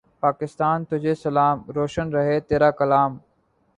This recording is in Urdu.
پاکستان تجھے سلام۔ روشن رہے تیرا کلام